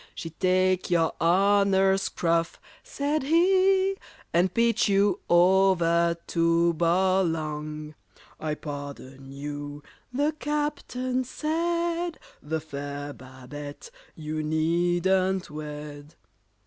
"She'd take your honour's scruff," said he "And pitch you over to Bolong!" "I pardon you," the Captain said, "The fair BABETTE you needn't wed."